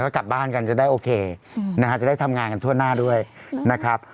ก็กลับบ้านกันจะได้โอเคนะฮะจะได้ทำงานกันทั่วหน้าด้วยนะครับ